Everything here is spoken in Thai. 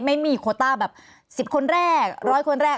โคต้าแบบ๑๐คนแรก๑๐๐คนแรก